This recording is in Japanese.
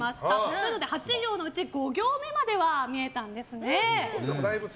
なので８行のうち５行目までは見えたんですね。